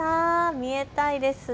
見えたいですね。